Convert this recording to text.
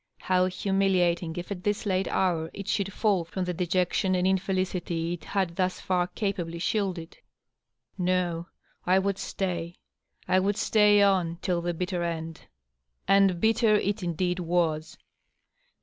How humiliating if at this late hour it should &1II from the dejection and in felicity it had thus fiur capably shielded ! No, I would stay ; I would stay on, till the bitter end. And bitter it indeed was